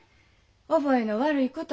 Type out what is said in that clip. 覚えの悪いこと。